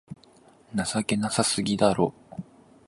情けなさすぎだろ